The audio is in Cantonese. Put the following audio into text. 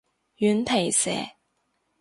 軟皮蛇